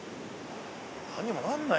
何にもなんないっしょ。